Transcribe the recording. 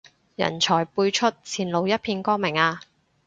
人才輩出，前路一片光明啊